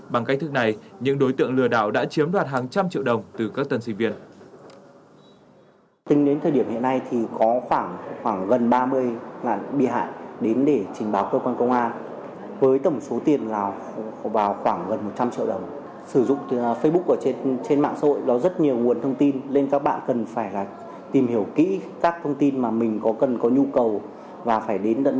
bằng cách thức này những đối tượng lừa đảo đã chiếm đoạt hàng trăm triệu đồng từ các tân sinh viên